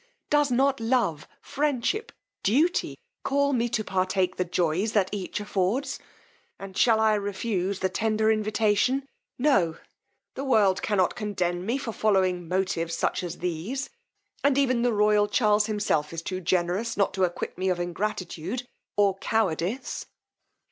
Does not love, friendship, duty call me to partake the joys that each affords! And shall I refuse the tender invitation! No! the world cannot condemn me for following motives such as these; and even the royal Charles himself is too generous not to acquit me of ingratitude or cowardice.